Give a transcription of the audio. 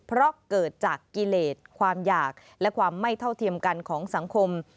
เพราะเกิดจากกิเลสความอยากและความไม่เท่าเทียมกันของสังคม